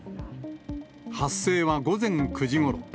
発生は午前９時ごろ。